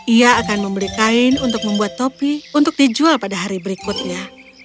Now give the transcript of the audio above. ia akan membeli kain untuk membuat topi untuk dijual pada hari berikutnya